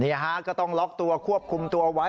ฮะก็ต้องล็อกตัวควบคุมตัวไว้